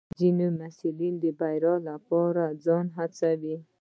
ځینې محصلین د بریا لپاره ځان هڅوي.